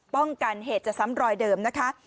ป้องกันเหตุจะซ้ำรอยเดิมนะคะ